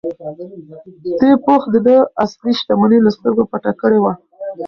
دې پوښ د ده اصلي شتمني له سترګو پټه کړې وه.